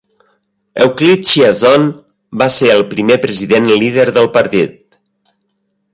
Euclide Chiasson va ser el primer president i lider del partit.